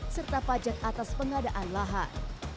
serta pajak atas pengadaan lahan